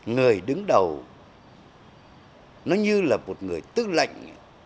người đứng đầu nó như là một người tư lệnh